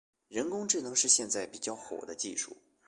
人工智能是现在比较火的技术。